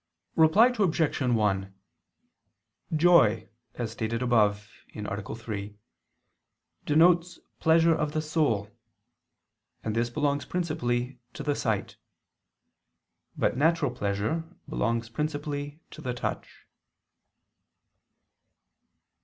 Reply Obj. 1: Joy, as stated above (A. 3), denotes pleasure of the soul; and this belongs principally to the sight. But natural pleasure belongs principally to the touch.